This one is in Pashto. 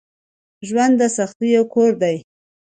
ژوند دسختیو کور دی